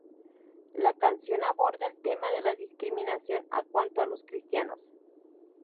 La canción aborda el tema de la discriminación a cuanto a los cristianos.